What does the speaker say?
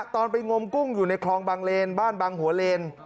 ตอนไปงมกุ้งอยู่ในคลองบางเลนบ้านบางหัวเลน